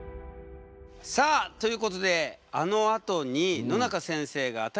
さあということであのあとに野中先生がえ！？